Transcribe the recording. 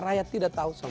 rakyat tidak tahu sama